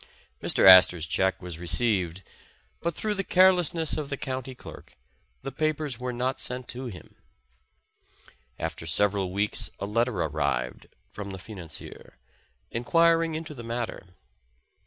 Mr. Astor's check was received, but through the careless ness of the county clerk, the papers were not sent to him. After several weeks a letter arrived from the financier, enquiring into the matter.